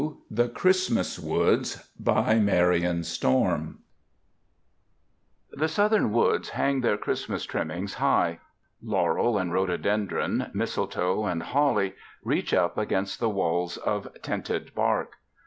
THE CHRISTMAS WOODS The Southern woods hang their Christmas trimmings high. Laurel and rhododendron, mistletoe and holly, reach up against the walls of tinted bark.